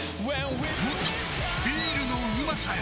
もっとビールのうまさへ！